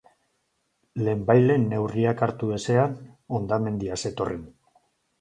Lehenbailehen neurriak hartu ezean, hondamendia zetorren.